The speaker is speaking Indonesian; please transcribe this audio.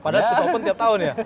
padahal sudah open tiap tahun ya